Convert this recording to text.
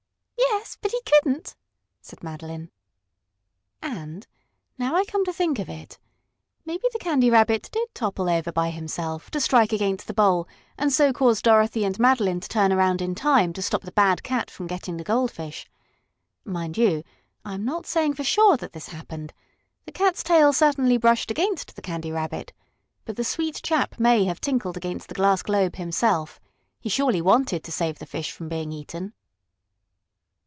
"Yes. But he couldn't," said Madeline. And, now I come to think of it, maybe the Candy Rabbit did topple over by himself, to strike against the bowl and so cause Dorothy and Madeline to turn around in time to stop the bad cat from getting the goldfish. Mind you, I am not saying for sure that this happened. The cat's tail certainly brushed against the Candy Rabbit, but the sweet chap may have tinkled against the glass globe himself. He surely wanted to save the fish from being eaten.